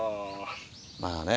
まあね